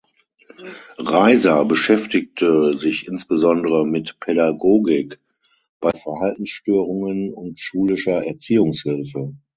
Reiser beschäftigte sich insbesondere mit Pädagogik bei Verhaltensstörungen und schulischer Erziehungshilfe.